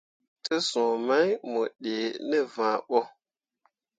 Tesũũ mai mo dǝǝni ne vããɓo.